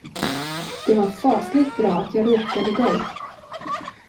Det var fasligt bra, att jag råkade dig.